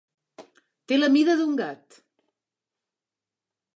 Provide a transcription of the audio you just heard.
Té la mida d'un gat.